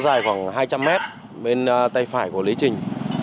dài khoảng hai trăm linh mét bên tay phải của lý trình